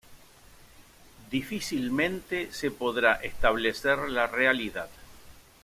Difícilmente se podrá establecer la realidad.